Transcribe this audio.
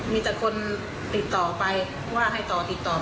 มีแต่คนติดต่อไปว่าแต่ให้ต่อมาหาคุณหมอ